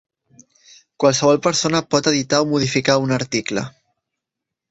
Qualsevol persona pot editar o modificar un article.